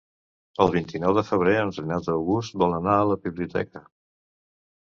El vint-i-nou de febrer en Renat August vol anar a la biblioteca.